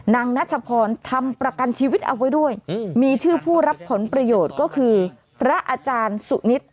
นัชพรทำประกันชีวิตเอาไว้ด้วยมีชื่อผู้รับผลประโยชน์ก็คือพระอาจารย์สุนิท